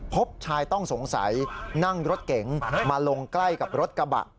พบชายต้องสงสัยนั่งรถเก๋งมาลงใกล้กับรถกระบะ